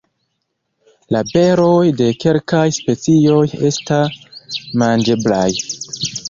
La beroj de kelkaj specioj esta manĝeblaj.